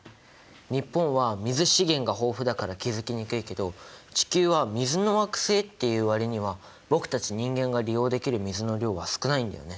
日本は水資源が豊富だから気付きにくいけど地球は水の惑星って言う割には僕たち人間が利用できる水の量は少ないんだよね。